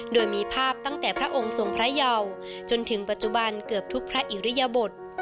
โดยมีภาพตั้งแต่พระองค์ทรงพระเยาจนถึงปัจจุบันเกือบทุกพระอิริยบท